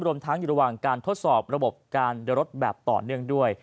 รวมทั้งที่ระหว่างทดสอบระบบการลดแบบต่อเนื่องด้วย